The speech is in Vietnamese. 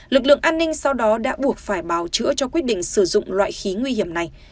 lực lượng an ninh sau đó đã buộc phải bào chữa cho quyết định sử dụng loại khí nguy hiểm này